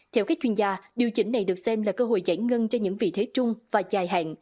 theo các chuyên gia điều chỉnh này được xem là cơ hội giải ngân cho những vị thế chung và dài hạn